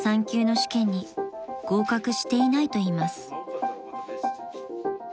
３級の試験に合格していないといいます］